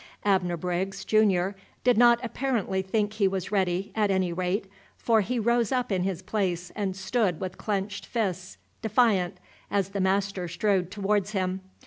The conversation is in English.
Abner Briggs, Junior, did not apparently think he was ready, at any rate; for he rose up in his place, and stood with clenched fists, defiant, as the master strode towards him.